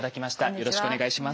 よろしくお願いします。